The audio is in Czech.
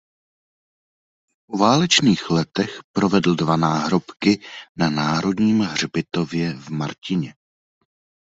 V poválečných letech provedl dva náhrobky na Národním hřbitově v Martině.